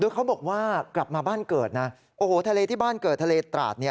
เขาบอกว่ากลับมาบ้านเกิดนะโอ้โหทะเลที่บ้านเกิดทะเลตราด